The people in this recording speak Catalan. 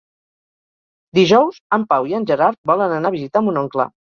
Dijous en Pau i en Gerard volen anar a visitar mon oncle.